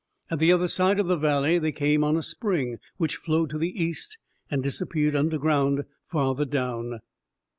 At the other side of the valley, they came on a spring which flowed to the east and disappeared under ground farther down.